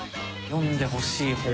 読んでほしい本？